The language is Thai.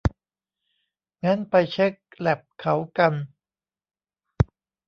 งั้นไปเช็คแลปเขากัน